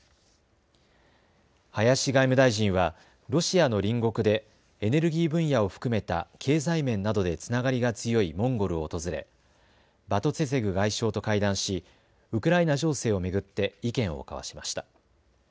林外務大臣はロシアの隣国でエネルギー分野を含めた経済面などでつながりが強いモンゴルを訪れバトツェツェグ外相と会談しウクライナ情勢を巡って意見を交わしました。